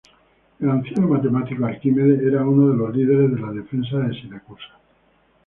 El anciano matemático Arquímedes era uno de los líderes de la defensa de Siracusa.